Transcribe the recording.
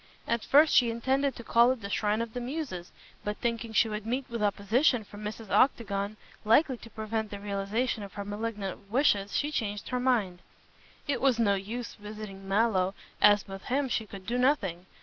At first she intended to call at the "Shrine of the Muses," but thinking she would meet with opposition from Mrs. Octagon, likely to prevent the realization of her malignant wishes, she changed her mind. It was no use visiting Mallow, as with him she could do nothing.